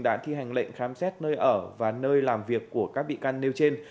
đã thi hành lệnh khám xét nơi ở và nơi làm việc của các bị can nêu trên